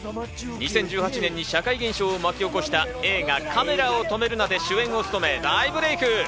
２０１８年に社会現象を巻き起こした映画『カメラを止めるな！』で主演を務め大ブレイク。